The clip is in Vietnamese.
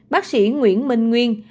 bác sĩ nguyễn minh nguyên